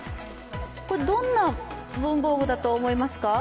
どんな文房具だと思いますか？